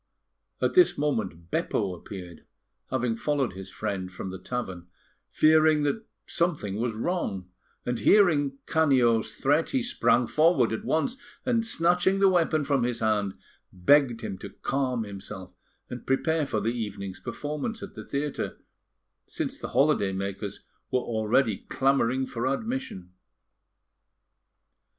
At this moment, Beppo appeared, having followed his friend from the tavern, fearing that something was wrong; and, hearing Canio's threat, he sprang forward, at once, and snatching the weapon from his hand, begged him to calm himself and prepare for the evening's performance at the theatre, since the holiday makers were already clamouring for admission.